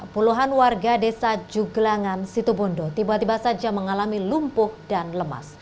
puluhan warga desa juglangan situbondo tiba tiba saja mengalami lumpuh dan lemas